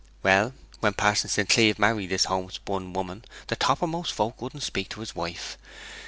Well, when Pa'son St. Cleeve married this homespun woman the toppermost folk wouldn't speak to his wife.